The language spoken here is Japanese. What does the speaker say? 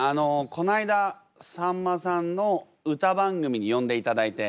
こないださんまさんの歌番組に呼んでいただいて。